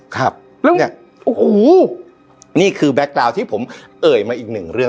ครับแล้วเนี่ยโอ้โหนี่คือแก๊กดาวน์ที่ผมเอ่ยมาอีกหนึ่งเรื่อง